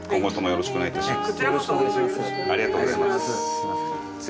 よろしくお願いします。